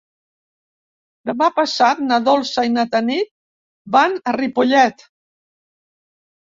Demà passat na Dolça i na Tanit van a Ripollet.